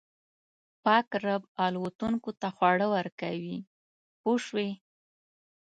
پاک رب الوتونکو ته خواړه ورکوي پوه شوې!.